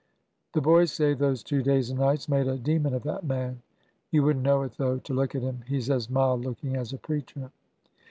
The boys say those two days and nights made a demon of that man! You would n't know it, though, to look at him. He 's as mild looking as a preacher.